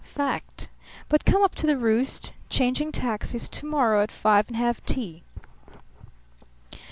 "Fact. But come up to the roost changing taxis to morrow at five and have tea."